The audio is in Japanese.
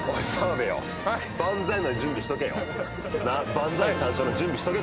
万歳三唱の準備しとけ。